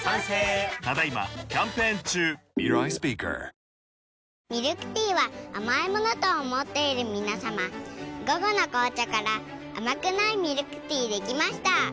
俺がこの役だったのにミルクティーは甘いものと思っている皆さま「午後の紅茶」から甘くないミルクティーできました。